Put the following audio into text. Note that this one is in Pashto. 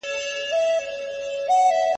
هغه تاريخ چي سم نه وي څېړل سوی بيا تکرارېږي.